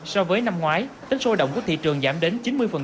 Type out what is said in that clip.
so với năm ngoái tính sôi động của thị trường giảm đến chín mươi